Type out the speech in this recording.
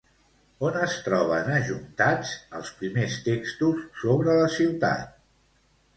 On es troben ajuntats els primers textos sobre la ciutat?